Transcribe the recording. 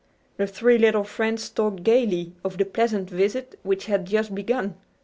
The three little friends talked gaily of the pleasant visit which had just begun.